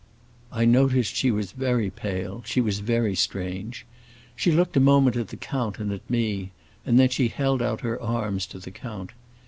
I noticed she was very pale; she was very strange. She looked a moment at the count and at me, and then she held out her arms to the count.